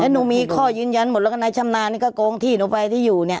หนูมีข้อยืนยันหมดแล้วก็นายชำนาญนี่ก็โกงที่หนูไปที่อยู่เนี่ย